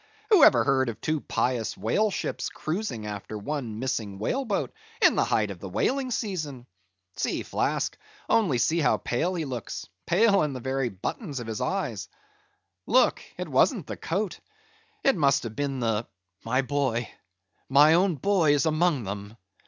Who ever heard of two pious whale ships cruising after one missing whale boat in the height of the whaling season? See, Flask, only see how pale he looks—pale in the very buttons of his eyes—look—it wasn't the coat—it must have been the—" "My boy, my own boy is among them.